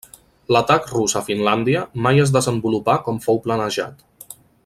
L'atac rus a Finlàndia mai es desenvolupà com fou planejat.